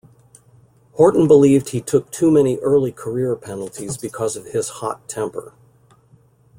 Horton believed he took too many early career penalties because of his "hot temper".